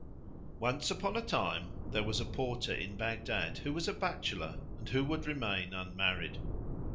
Once upon a time there was a Porter in Baghdad, who was a bachelor and who would remain unmarried.